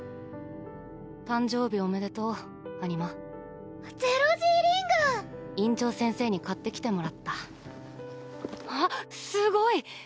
誕生日おめでとうアニマ０Ｇリング院長先生に買ってきてもらったあっすごい！